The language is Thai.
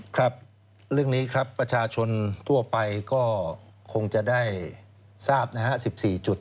ครับเรื่องนี้ครับประชาชนทั่วไปก็คงจะได้ทราบนะฮะ๑๔จุด